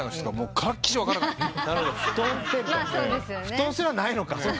布団すらないのか。